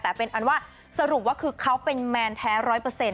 แต่เป็นสรุปว่าเขาเป็นแมนแท้๑๐๐นะครับ